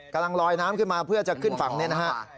กำลังลอยน้ำขึ้นมาเพื่อจะขึ้นฝั่งเนี่ยนะฮะ